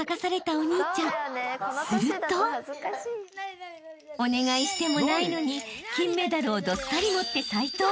［するとお願いしてもないのに金メダルをどっさり持って］